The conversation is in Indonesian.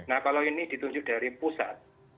nah kalau ini ditunjuk dari pusat